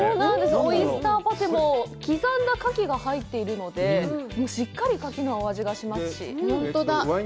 オイスターパテには刻んだカキが入っているので、しっかりカキのお味がしますし。